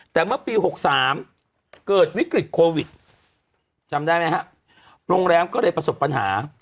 แต่เมื่อปี๖๓เกิดวิกฤตโควิดจำได้ไหมฮะโรงแรมก็เลยประสบปัญหา